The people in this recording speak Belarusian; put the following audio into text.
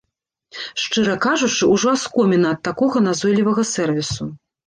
Шчыра кажучы, ужо аскоміна ад такога назойлівага сэрвісу.